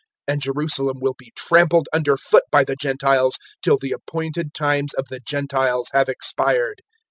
And Jerusalem will be trampled under foot by the Gentiles, till the appointed times of the Gentiles have expired.